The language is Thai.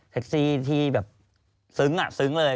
แต๊คซี่แบบซึ้งอะซึ้งเลย